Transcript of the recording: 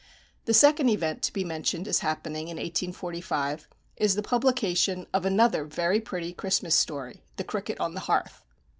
The second event to be mentioned as happening in 1845, is the publication of another very pretty Christmas story, "The Cricket on the Hearth."